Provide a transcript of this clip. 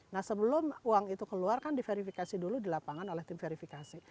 nah sebelum uang itu keluar kan diverifikasi dulu di lapangan oleh tim verifikasi